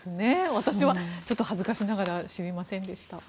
私は、ちょっと恥ずかしながら知りませんでした。